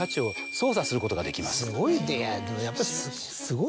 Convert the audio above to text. すごい！